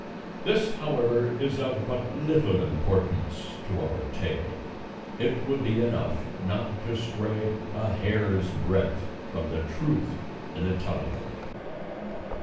This, however, is of but little importance to our tale; it will be enough not to stray a hair's breadth from the truth in the telling of it.